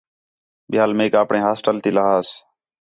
ٻِیال میک اپݨے ہاسٹل تی لہاس